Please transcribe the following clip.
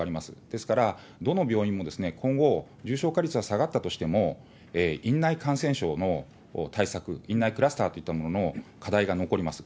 ですから、どの病院も今後、重症化率が下がったとしても、院内感染症の対策、院内クラスターといったものの課題が残ります。